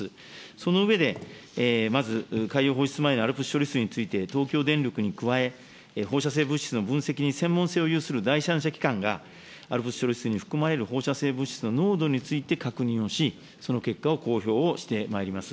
その上で、まず海洋放出前のＡＬＰＳ処理水について、東京電力に加え、放射性物質の分析に専門性を有する第三者機関がＡＬＰＳ処理水に含まれる放射性物質の濃度について確認をし、その結果を公表をしてまいります。